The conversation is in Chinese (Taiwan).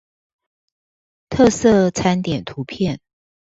特色餐點圖片